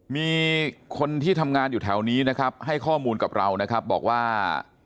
มีคนที่ทำงานอยู่แถวนี้นะครับให้ข้อมูลกับเรานะครับบอกว่า